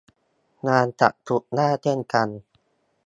งานจัดศุกร์หน้าเช่นกัน